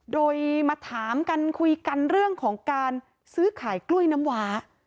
โดยมาถามกันคุยกันเรื่องของการซื้อขายกล้วยน้ำว้า